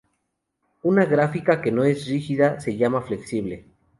Una gráfica que no es rígida se llama "flexible".